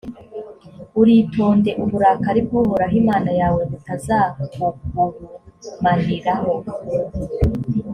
uritonde, uburakari bw’uhoraho imana yawe butazakugurumaniraho,